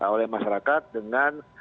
oleh masyarakat dengan